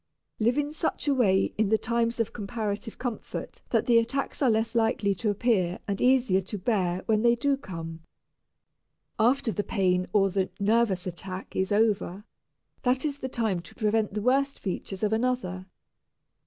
Live in such a way in the times of comparative comfort that the attacks are less likely to appear and easier to bear when they do come. After the pain or the "nervous" attack is over, that is the time to prevent the worst features of another.